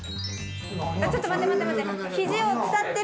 ちょっと待って待って、ひじを伝ってる。